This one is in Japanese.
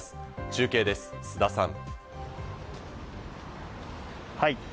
中継です、須田さん。